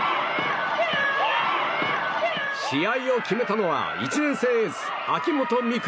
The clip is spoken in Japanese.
試合を決めたのは１年生エース、秋本美空。